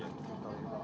ya itu kapalnya